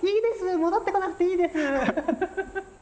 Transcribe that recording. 戻ってこなくていいです。